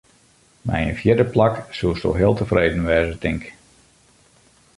Mei in fjirde plak soesto heel tefreden wêze, tink?